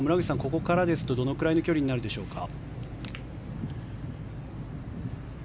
ここからですとどれくらいの距離になるでしょうか。